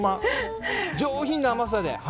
上品な甘さで。